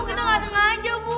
kita gak sengaja bu